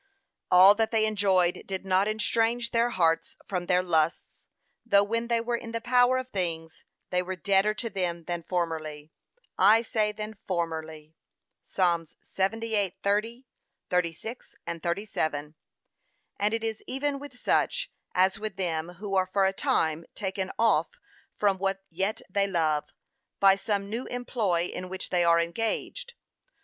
All that they enjoyed did not estrange their hearts from their lusts, though when they were in the power of things, they were deader to them than formerly; I say than formerly. (Psa. 78:30, 36, 37) And it is even with such, as with them, who are for a time taken off from what yet they love, by some new employ in which they are engaged.